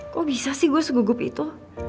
kok bisa sih gue segugup itu